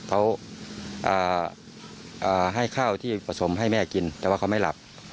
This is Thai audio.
เขาให้ข้าวที่ผสมให้แม่กินแต่ว่าเขาไม่หลับ